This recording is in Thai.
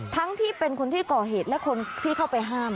ที่เป็นคนที่ก่อเหตุและคนที่เข้าไปห้าม